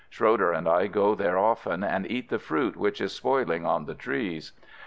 Schroe der and I go there often and eat the fruit which is spoiling on the trees.